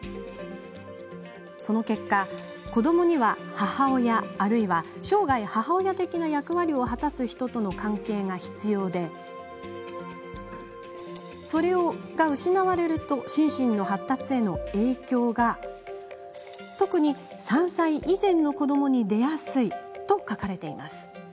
その結果、子どもには母親あるいは生涯、母親的な役割を果たす人との関係が必要でそれが失われると心身の発達への影響が特に、３歳以前の子どもに出やすいと書かれています。